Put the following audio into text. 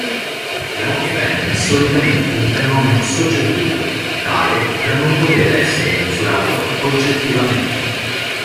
L'acufene è solitamente un fenomeno soggettivo, tale da non poter essere misurato oggettivamente.